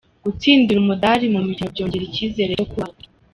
Gutsindira umudari mu mikino byongera icyizere cyo kubaho